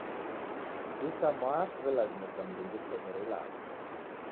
Itamwaa siwe'lazimisha mndungi unibonyere ilagho